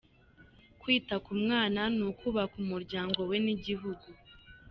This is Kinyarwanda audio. “Kwita ku mwana ni ukubaka umuryango we n’igihugu”